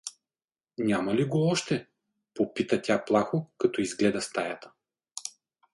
— Няма ли го още? — попита тя плахо, като изгледа стаята.